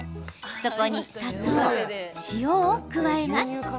そこに砂糖、塩を加えます。